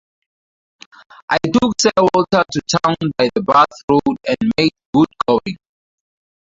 I took Sir Walter to town by the Bath Road and made good going.